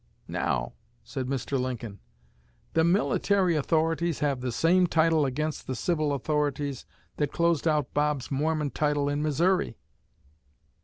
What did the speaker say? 'Now,' said Mr. Lincoln, 'the military authorities have the same title against the civil authorities that closed out Bob's Mormon title in Missouri.'"